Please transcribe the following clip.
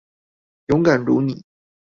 勇敢如妳